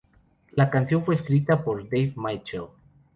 La canción fue escrita por Dave Mitchell.